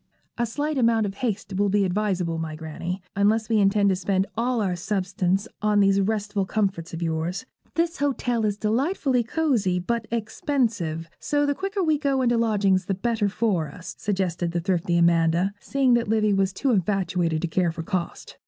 'A slight amount of haste will be advisable, my Granny, unless we intend to spend all our substance on these restful comforts of yours. This hotel is delightfully cosy, but expensive; so the quicker we go into lodgings the better for us,' suggested the thrifty Amanda, seeing that Livy was too infatuated to care for cost.